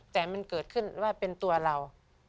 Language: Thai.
แต่มันเกิดขึ้นว่าเป็นตัวเรา